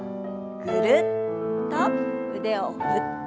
ぐるっと腕を振って。